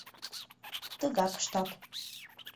Тыгак ыштат.